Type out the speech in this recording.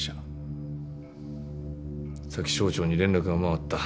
さっき省庁に連絡が回った。